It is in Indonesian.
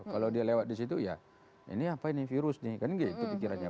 kalau dia lewat di situ ya ini apa ini virus nih kan gitu pikirannya